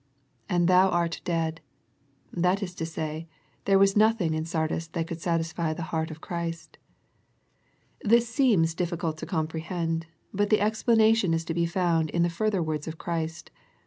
" And thou art dead." That is to say, there was noth ing iu Sardis that could satisfy the heart of Christ. This seems difficult to comprehend, ^ut the explanation is to be found in the fur ther words of Christ.